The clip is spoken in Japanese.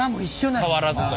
変わらずと。